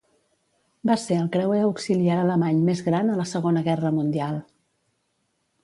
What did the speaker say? Va ser el creuer auxiliar alemany més gran a la Segona Guerra Mundial.